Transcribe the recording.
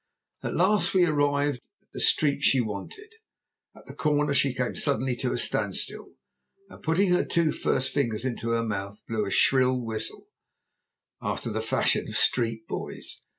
"At last we arrived at the street she wanted. At the corner she came suddenly to a standstill, and putting her two first fingers into her mouth blew a shrill whistle, after the fashion of street boys.